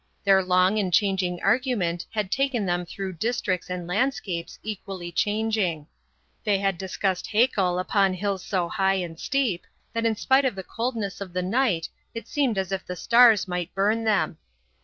Their long and changing argument had taken them through districts and landscapes equally changing. They had discussed Haeckel upon hills so high and steep that in spite of the coldness of the night it seemed as if the stars might burn them.